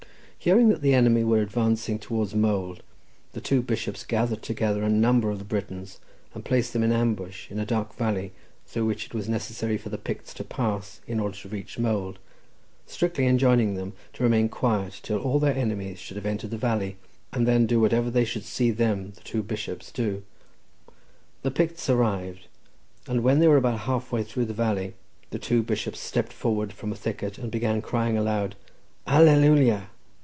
Hearing that the enemy were advancing towards Mold, the two bishops gathered together a number of the Britons, and placed them in ambush in a dark valley, through which it was necessary for the Picts to pass in order to reach Mold, strictly enjoining them to remain quiet till all their enemies should have entered the valley, and then do whatever they should see them, the two bishops, do. The Picts arrived, and when they were about half way through the valley, the two bishops stepped forward from a thicket, and began crying aloud, "Alleluia!"